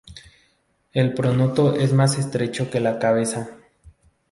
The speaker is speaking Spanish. El pronoto es más estrecho que la cabeza.